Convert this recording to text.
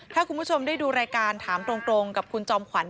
ถ้าคุณผู้ชมได้ดูรายการถามตรงกับคุณจอมขวัญ